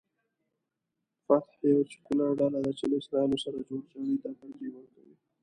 فتح یوه سیکولر ډله ده چې له اسراییلو سره جوړجاړي ته ترجیح ورکوي.